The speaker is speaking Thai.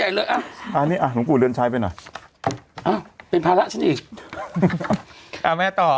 อันนี้อ่ะหลวงปู่เดือนชัยไปหน่อยอ้าวเป็นภาระฉันอีกอ่าแม่ต่อ